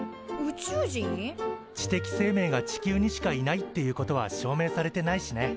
知的生命が地球にしかいないっていうことは証明されてないしね。